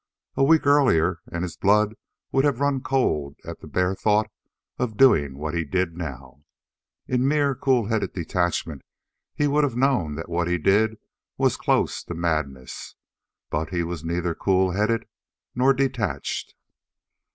A week earlier and his blood would have run cold at the bare thought of doing what he did now. In mere cool headed detachment he would have known that what he did was close to madness. But he was neither cool headed nor detached.